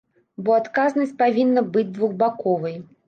Бо адказнасць павінна быць двухбаковай.